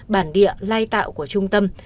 bản địa lai tạo của trung tâm